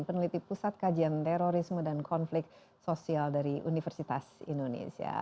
peneliti pusat kajian terorisme dan konflik sosial dari universitas indonesia